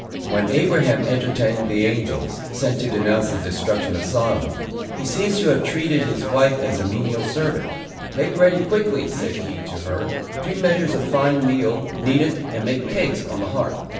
When Abraham entertained the angels, sent to denounce the destruction of Sodom, he seems to have treated his wife as a menial servant: "Make ready quickly," said he to her, "three measures of fine meal, knead it, and make cakes on the hearth."